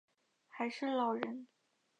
还是老人